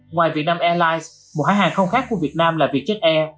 ngoài việt nam airlines một hãng hàng không khác của việt nam là vietjet air